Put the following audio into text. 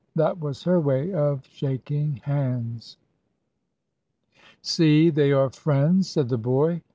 That was her way of shaking hands. "See, they are friends!" said the boy.